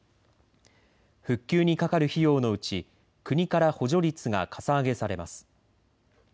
復旧にかかる費用のうち国から補助率がかさ上げされます。